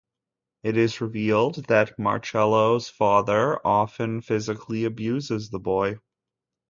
It is revealed that Marcello's father often physically abuses the boy.